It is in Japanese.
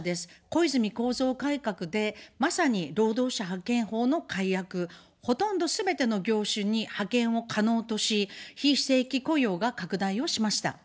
小泉構造改革で、まさに労働者派遣法の改悪、ほとんどすべての業種に派遣を可能とし、非正規雇用が拡大をしました。